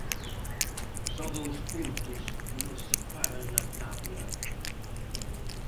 Só dous puntos nos separan na táboa.